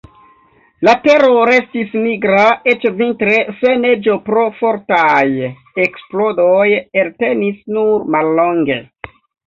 La tero restis nigra, eĉ vintre, se neĝo pro fortaj eksplodoj eltenis nur mallonge.